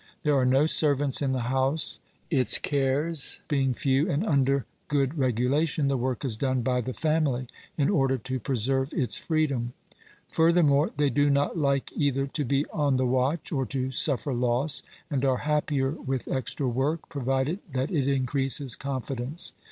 There are no servants in the house; its cares being few and under good regulation, the work is done by the family in order to preserve its freedom. Furthermore, they do not like either to be on the watch or to suffer loss, and are happier with extra work, provided that it increases confidence.